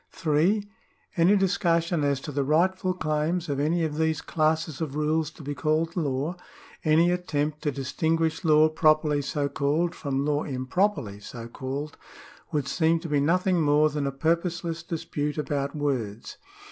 (3) Any discussion as to the rightful claims of any of these classes of rules to be called law — any attempt to distinguish law properly so called from law improperly so called — would seem to be nothing more than a purposeless dispute about words.